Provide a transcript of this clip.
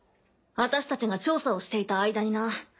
私たちが調査をしていた間にな。